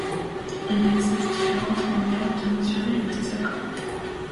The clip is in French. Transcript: Il existe différentes manières de mesurer le désaccord.